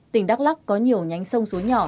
tỉnh đắk lắc có nhiều nhánh sông suối nhỏ